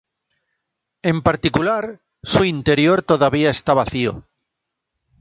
En particular, su interior todavía está vacío.